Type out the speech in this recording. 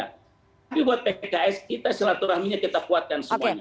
tapi buat pks kita silaturahminya kita kuatkan semuanya